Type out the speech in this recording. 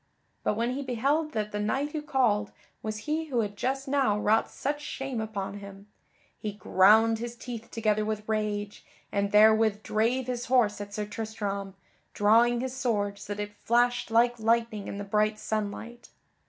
But when he beheld that the knight who called was he who had just now wrought such shame upon him, he ground his teeth together with rage, and therewith drave his horse at Sir Tristram, drawing his sword so that it flashed like lightning in the bright sunlight.